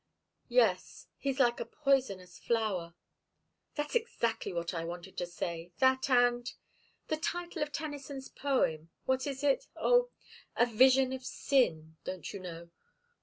"Yes. He's like a poisonous flower." "That's exactly what I wanted to say. That and the title of Tennyson's poem, what is it? Oh 'A Vision of Sin' don't you know?"